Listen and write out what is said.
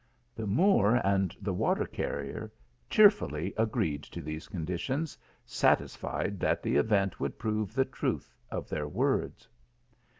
The Moor and the water carrier cheerfully agreed to these conditions, satisfied that the event would prove the truth of their words.